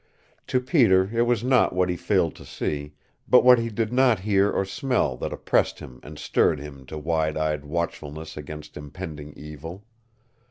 To Peter it was not what he failed to see, but what he did not hear or smell that oppressed him and stirred him to wide eyed watchfulness against impending evil.